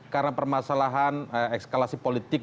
karena permasalahan ekskalasi politik